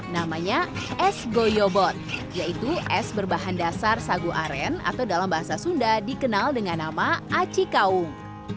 namanya es goyobot yaitu es berbahan dasar sagu aren atau dalam bahasa sunda dikenal dengan nama aci kaung